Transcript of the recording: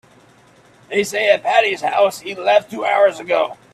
They say at Patti's house he left two hours ago.